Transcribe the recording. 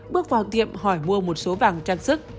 bước vào tiệm hỏi mua một số vàng trang sức